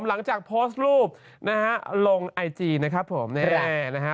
หลังจากโพสต์รูปนะฮะลงไอจีนะครับผมแน่นะฮะ